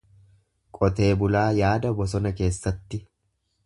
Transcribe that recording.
Qotee bulaa yaada bosona keessatti.